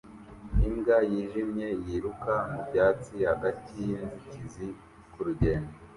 Imbwa yijimye yiruka mubyatsi hagati yinzitizi kurugendo